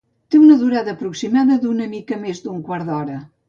Té una durada aproximada d'una mica més d'un quart d'hora.